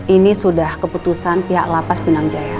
ini sudah keputusan pihak lapas pinang jaya